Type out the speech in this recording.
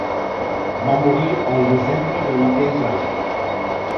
Va morir al desembre del mateix any.